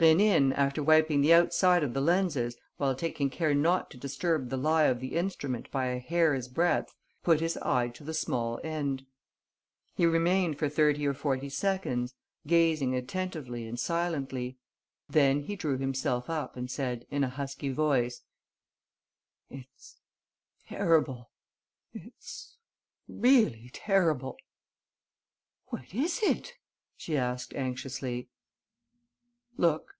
Rénine, after wiping the outside of the lenses, while taking care not to disturb the lie of the instrument by a hair's breadth, put his eye to the small end. He remained for thirty or forty seconds, gazing attentively and silently. Then he drew himself up and said, in a husky voice: "It's terrible ... it's really terrible." "What is?" she asked, anxiously. "Look."